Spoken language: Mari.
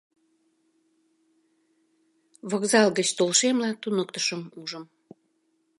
Вокзал гыч толшемла, туныктышым ужым.